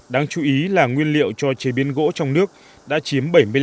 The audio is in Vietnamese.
đáng chú ý là nguyên liệu cho chế biến gỗ trong nước đã chiếm bảy mươi năm